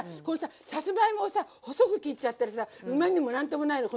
さつまいもをさ細く切っちゃったりさうまみも何ともないの。